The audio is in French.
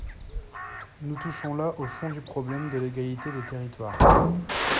Nous touchons là au fond du problème de l’égalité des territoires.